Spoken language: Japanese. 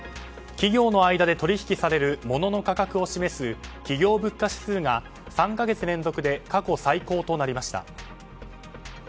企業の間で取引されるモノの価格を示す企業物価指数が３か月連続で過去最高となりました。